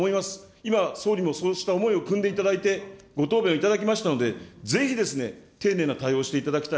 今、総理のそうした思いをくんでいただいて、ご答弁いただきましたので、ぜひ丁寧な対応していただきたい。